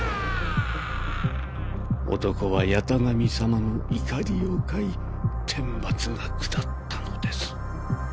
男は八咫神様の怒りを買い天罰が下ったのです。